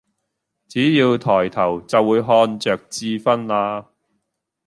只要抬頭就會看著智勳啦！